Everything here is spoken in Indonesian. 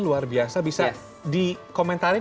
luar biasa bisa dikomentarin